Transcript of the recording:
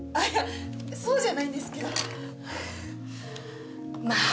そうじゃないんですけどまあ